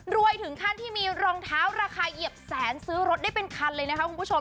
ถึงขั้นที่มีรองเท้าราคาเหยียบแสนซื้อรถได้เป็นคันเลยนะคะคุณผู้ชม